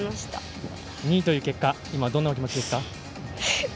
２位という結果、今どんなお気持ちですか？